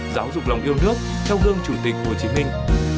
giáo dục lòng yêu nước theo gương chủ tịch hồ chí minh